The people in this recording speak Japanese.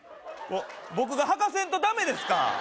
うわっ僕がはかせんとダメですか？